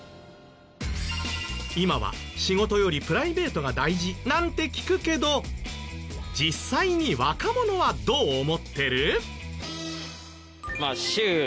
今は仕事よりプライベートが大事なんて聞くけど実際に若者はどう思ってる？